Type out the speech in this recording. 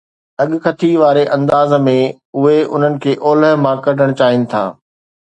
اڳڪٿي واري انداز ۾، اهي انهن کي اولهه مان ڪڍڻ چاهين ٿا.